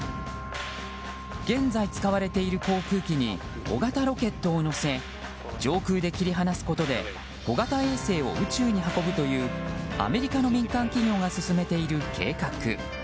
現在使われている航空機に小型ロケットを載せ上空で切り離すことで小型衛星を宇宙に運ぶというアメリカの民間企業が進めている計画。